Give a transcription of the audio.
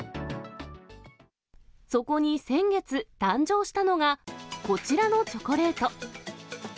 そこに先月、誕生したのが、こちらのチョコレート。